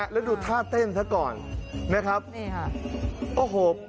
และดูธาตุเต้นเถอะก่อนนะครับ